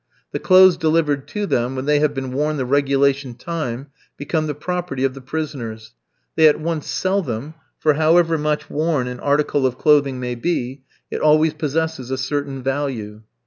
The clothes delivered to them, when they have been worn the regulation time, become the property of the prisoners. They at once sell them, for however much worn an article of clothing may be, it always possesses a certain value.